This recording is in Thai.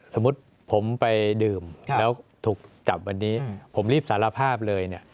สมมุติผมไปดื่มแล้วถูกจับวันนี้ผมรีบสารภาพเลยเนี่ย